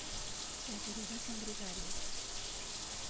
Las orugas son gregarias.